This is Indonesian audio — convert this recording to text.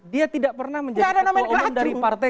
dia tidak pernah menjadi ketua umum dari partai